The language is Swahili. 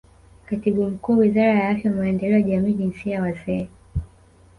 Katibu Mkuu Wizara ya Afya Maendeleo ya Jamii Jinsia Wazee